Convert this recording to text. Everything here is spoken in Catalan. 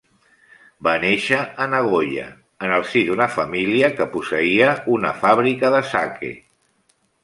Va néixer a Nagoya, en el si d'una família que posseïa una fàbrica de sake.